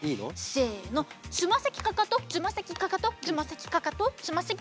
せのつまさきかかとつまさきかかとつまさきかかとつまさきトトン！